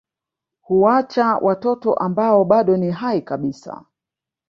Huacha watoto ambao bado ni hai kabisa